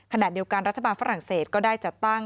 ขณะเดียวกันรัฐบาลฝรั่งเศสก็ได้จัดตั้ง